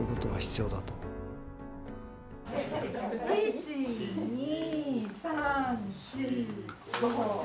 １２３４５６。